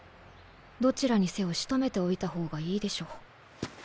どちらにせよ仕留めておいた方がいいでしょ。